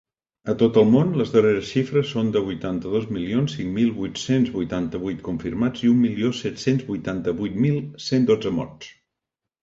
A tot el món, les darreres xifres són de vuitanta-dos milions cinc mil vuit-cents vuitanta-vuit confirmats i un milió set-cents vuitanta-vuit mil cent dotze morts.